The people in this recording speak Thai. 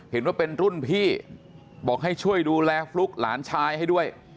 เห็นว่าเป็นรุ่นพี่บอกให้ช่วยดูแลฟลุ๊กหลานชายให้ด้วย